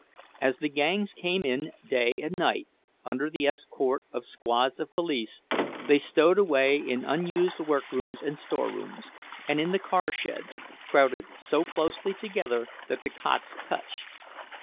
As the gangs came in day and night, under the escort of squads of police, they stowed away in unused workrooms and storerooms, and in the car sheds, crowded so closely together that the cots touched.